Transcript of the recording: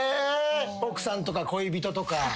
奥さんとか恋人とか。